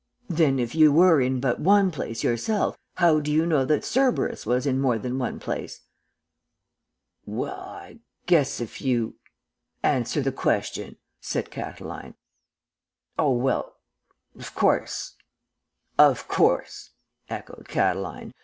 "'Then if you were in but one place yourself, how do you know that Cerberus was in more than one place?' "'Well, I guess if you ' "'Answer the question,' said Catiline. "'Oh, well of course ' "'Of course,' echoed Catiline.